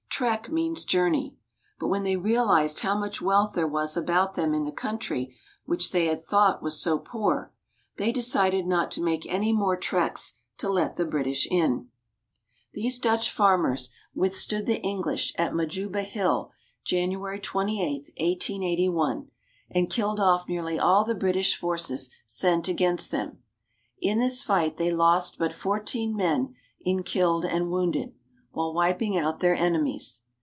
Trek means journey. But when they realized how much wealth there was about them in the country which they had thought was so poor, they decided not to make any more treks to let the British in. These Dutch farmers withstood the English at Majuba Hill, Jan. 28, 1881, and killed off nearly all the British forces sent against them. In this fight they lost but fourteen men in killed and wounded, while wiping out their enemies.